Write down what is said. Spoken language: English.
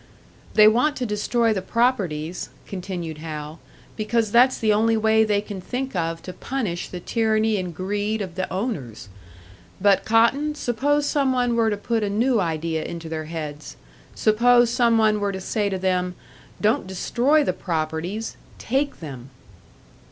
"They want to destroy the properties," continued Hal, "because that's the only way they can think of to punish the tyranny and greed of the owners. But, Cotton, suppose some one were to put a new idea into their heads; suppose some one were to say to them, 'Don't destroy the properties _take them!